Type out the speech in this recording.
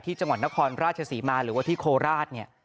ที่จังหวัดนครราชศรีมาหรือว่าที่โคลาศ